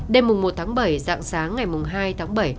đêm mùng một tháng bảy dạng sáng ngày hai tháng bảy